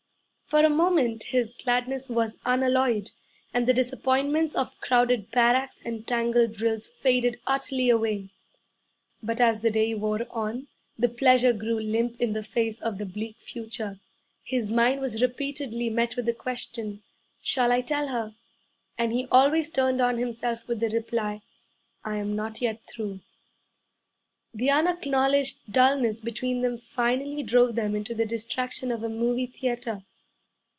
For a moment his gladness was unalloyed, and the disappointments of crowded barracks and tangled drills faded utterly away. But as the day wore on, the pleasure grew limp in the face of the bleak future. His mind was repeatedly met with the question, 'Shall I tell her?' and he always turned on himself with the reply, 'I am not yet through.' The unacknowledged dullness between them finally drove them into the distraction of a movie theatre.